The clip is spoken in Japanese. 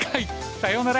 さようなら。